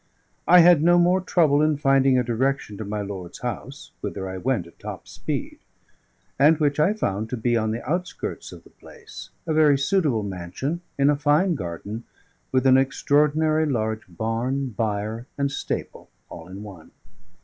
I had no more trouble in finding a direction to my lord's house, whither I went at top speed, and which I found to be on the outskirts of the place, a very suitable mansion, in a fine garden, with an extraordinary large barn, byre, and stable, all in one.